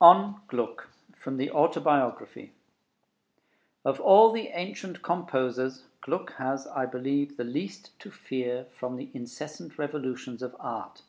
ON GLUCK From the Autobiography Of all the ancient composers, Gluck has, I believe, the least to fear from the incessant revolutions of art.